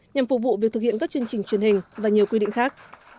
nhằm phục vụ việc thực hiện các chương trình truyền hình và nhiều quy định khác